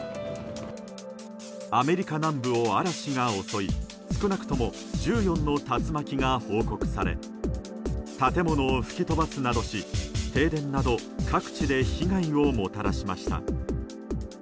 アメリカ南部を嵐が襲い少なくとも１４の竜巻が報告され建物を吹き飛ばすなどし停電など各地で被害をもたらしました。